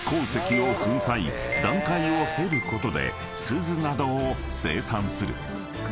［段階を経ることで錫などを生産する］